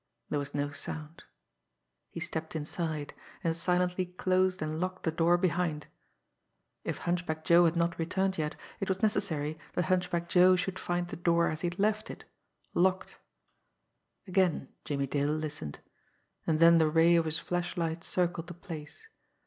There was no sound. He stepped inside, and silently closed and locked the door behind If Hunchback Joe had not returned yet, it was necessary that Hunchback Joe should find the door as he had left it locked! Again Jimmie Dale listened and then the ray of his flashlight circled the place.